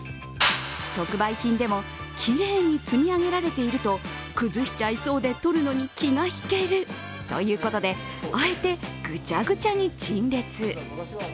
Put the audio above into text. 特売品でもきれいに積み上げられていると崩しちゃいそうで取るのに気が引けるということであえてぐちゃぐちゃに陳列。